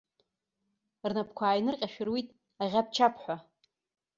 Рнапқәа ааинырҟьашәа руит аӷьап-чапҳәа.